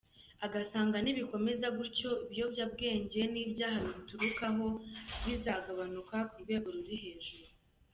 Agasanga nibikomeza gutyo ibiyobyabwenge n’ibyaha bibituruka ho bizagabanuka ku rwego ruri hejuru.